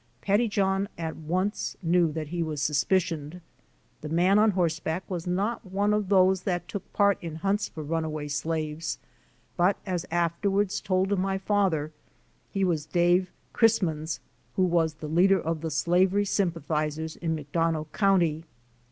Pettyjohn at once knew that he was suspicioned. The man on horseback was not one of those that took part in hunts for runaway slaves, but as afterwards told to my father, he cargo had arrived at the Blazers. That was Dave Chrisman's who was the leader of the slavery sympathizers in Mc Donough county.